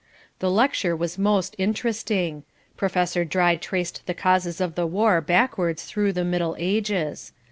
The lecture was most interesting. Professor Dry traced the causes of the War backwards through the Middle Ages.